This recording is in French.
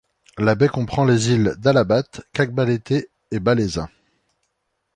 La baie comprend les îles d'Alabat, Cagbalete et Balesin.